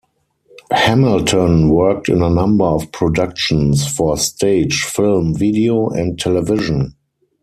Hamilton worked in a number of productions for stage, film, video, and television.